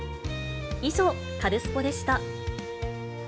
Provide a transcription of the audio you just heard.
以上、カルスポっ！でした。